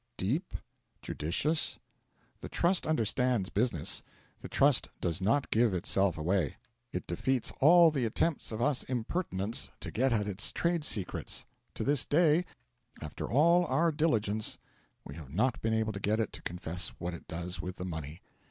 Deep? Judicious? The Trust understands business. The Trust does not give itself away. It defeats all the attempts of us impertinents to get at its trade secrets. To this day, after all our diligence, we have not been able to get it to confess what it does with the money.